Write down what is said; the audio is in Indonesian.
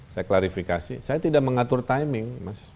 saya klarifikasi saya tidak mengatur timing